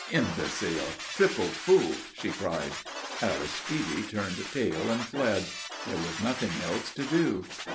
"Imbecile! Triple fool!" she cried. Aristide turned tail and fled. There was nothing else to do.